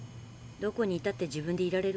どこにいたって自分でいられるわ。